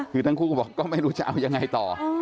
คือทั้งคู่ก็บอกก็ไม่รู้จะเอายังไงต่อ